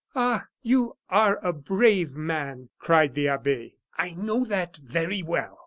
"Ah! you are a brave man!" cried the abbe. "I know that very well!